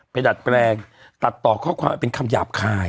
ดัดแปลงตัดต่อข้อความเป็นคำหยาบคาย